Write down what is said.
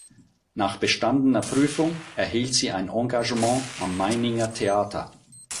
Nach bestandener Prüfung erhielt sie ein Engagement am Meininger Theater.